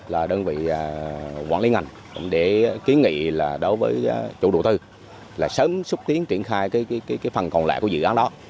là đơn vị quản lý ngành để kiến nghị là đối với chủ đầu tư là sớm xúc tiến triển khai phần còn lại của dự án đó